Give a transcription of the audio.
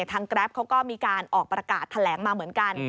แกรปเขาก็มีการออกประกาศแถลงมาเหมือนกัน